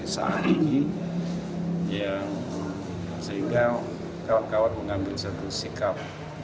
saya saat ini ya sehingga kawan kawan mengambil suatu sikap